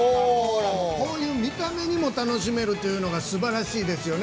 こういう見た目にも楽しめるというのが、すばらしいですよね。